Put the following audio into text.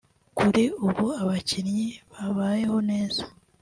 Kuri ubu abakinnyi babayeho neza